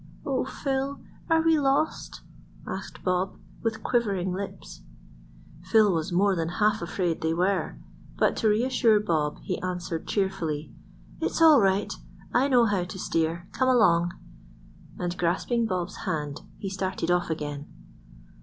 "O Phil! are we lost?" asked Bob, with quivering lips. Phil was more than half afraid they were; but to reassure Bob he answered cheerfully,— "It's all right. I know how to steer. Come along." And grasping Bob's hand he started off again.